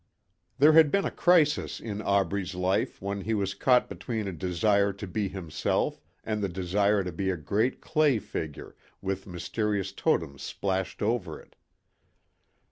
There had been a crisis in Aubrey's life when he was caught between a desire to be himself and the desire to be a great clay figure with mysterious totems splashed over it.